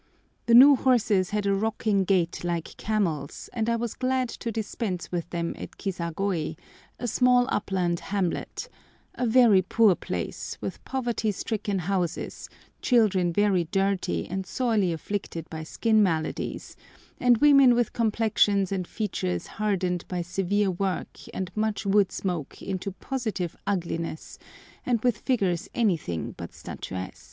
The new horses had a rocking gait like camels, and I was glad to dispense with them at Kisagoi, a small upland hamlet, a very poor place, with poverty stricken houses, children very dirty and sorely afflicted by skin maladies, and women with complexions and features hardened by severe work and much wood smoke into positive ugliness, and with figures anything but statuesque.